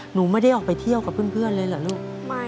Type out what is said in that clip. หนูไม่ได้ออกไปเที่ยวกับเพื่อนเลยเหรอลูก